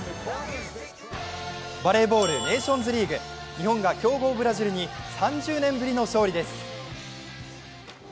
バレーボールネーションズリーグ、日本が強豪ブラジルに３０年ぶりの勝利です。